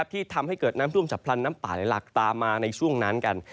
ที่ทำให้เกิดน้ำท่วมฉับพลันน้ำป่าในหลักตามมาในช่วงนั้นกัน